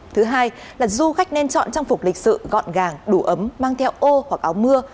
thứ hai là du khách nên chọn trang phục lịch sự gọn gàng đủ ấm mang theo ô hoặc áo mưa